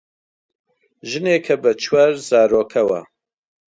ژنێکە بە چوار زارۆکەوە